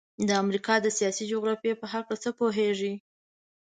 د امریکا د سیاسي جغرافیې په هلکه څه پوهیږئ؟